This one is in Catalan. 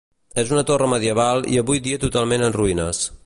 És una torre medieval i avui dia totalment en ruïnes.